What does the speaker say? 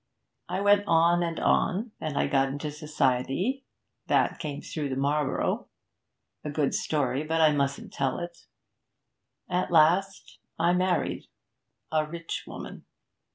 I went on and on, and I got into society; that came through the Marlborough, a good story, but I mustn't tell it. At last I married a rich woman.'